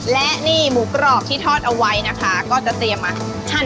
และนี่หมูกรอบที่ทอดเอาไว้นะคะก็จะเตรียมมา